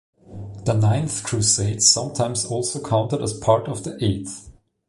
The Ninth Crusade is sometimes also counted as part of the Eighth.